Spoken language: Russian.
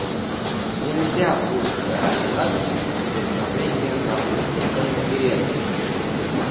Нельзя больше откладывать возобновление работы Конференции.